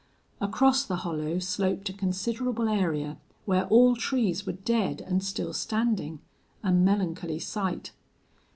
Across the hollow sloped a considerable area where all trees were dead and still standing a melancholy sight.